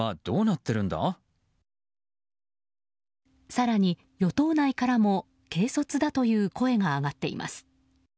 更に、与党内からも軽率だという声が上がっています。